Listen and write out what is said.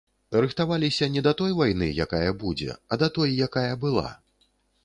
Рыхтаваліся не да той вайны, якая будзе, а да той, якая была.